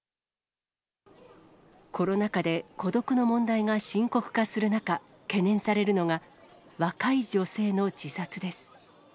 コロナ禍で孤独の問題が深刻化する中、懸念されるのが、若い女性の自殺です。